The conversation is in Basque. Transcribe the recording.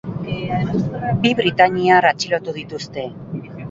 Bi britainiar atxilotu dituzte.